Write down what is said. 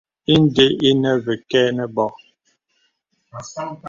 Inde enə və kə̀ nə bô.